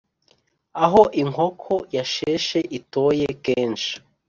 Aho inkoko yasheshe itoye kenshi.